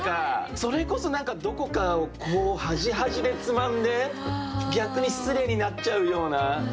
それこそ何かどこかをはじはじでつまんで逆に失礼になっちゃうような。